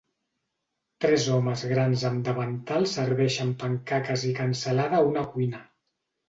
Tres homes grans amb davantal serveixen pancakes i cansalada a una cuina.